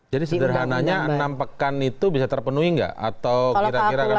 jadi sederhananya enam pekan itu bisa terpenuhi nggak atau kira kira akan molot